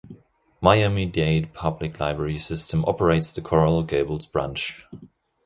Miami-Dade Public Library System operates the Coral Gables Branch.